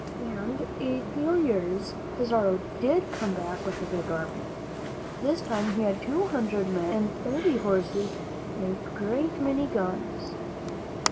And, in a few years, Pizarro ditJ come back with a big army. This time he had two hundred men and thirty horses and a great many guns.